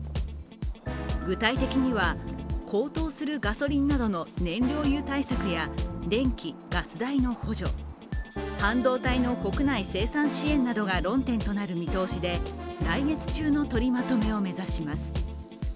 具体的には高騰するガソリンなどの燃料油対策や電気・ガス代の補助半導体の国内生産支援などが論点となる見通しで来月中の取りまとめを目指します。